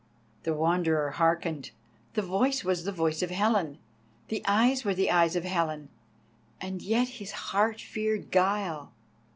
The Wanderer hearkened. The voice was the voice of Helen, the eyes were the eyes of Helen, and yet his heart feared guile.